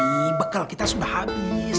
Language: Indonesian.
mami bekel kita sudah habis